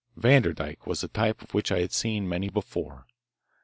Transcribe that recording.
Vanderdyke was a type of which I had seen many before.